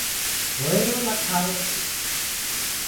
هوئيرو لکاوي سي